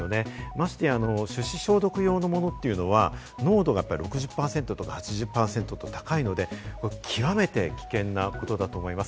ましてや手指消毒用のものというのは、濃度がやっぱり、６０％とか８０％とかで高いので、極めて危険なことだと思います。